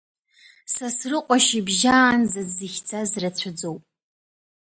Сасрыҟәа шьыбжьаанӡа дзыхьӡаз рацәаӡоуп.